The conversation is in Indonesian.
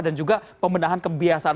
dan juga pembenahan kebiasaan